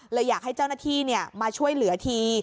เลยอยากให้เจ้าหน้าที่เนี่ยมาช่วยเหลือที